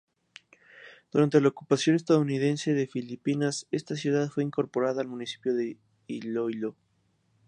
Durante la ocupación estadounidense de Filipinas esta ciudad fue incorporada al municipio de Iloílo.